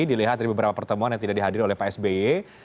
dilihat dari beberapa pertemuan yang tidak dihadiri oleh pak sby